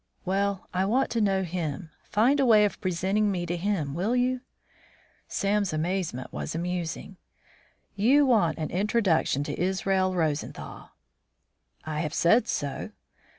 "Well, I want to know him. Find a way of presenting me to him, will you?" Sam's amazement was amusing. "You want an introduction to Israel Rosenthal?" "I have said so."